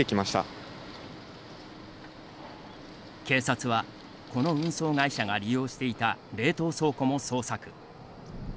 警察は、この運送会社が利用していた冷凍倉庫も捜索。